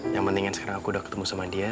yang mendingan sekarang aku udah ketemu sama dia